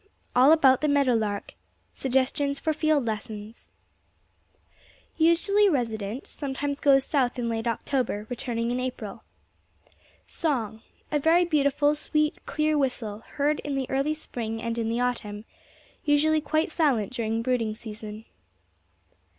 ALL ABOUT THE MEADOW LARK SUGGESTIONS FOR FIELD LESSONS Usually resident sometimes goes south in late October, returning in April. Song a very beautiful sweet, clear whistle heard in the early spring and in the autumn usually quite silent during brooding season.